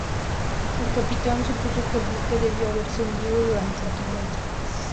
El capitán supuso que el buque debió haberse hundido durante la tormenta.